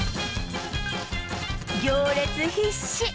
行列必至！